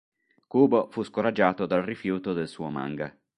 Kubo fu scoraggiato dal rifiuto del suo manga.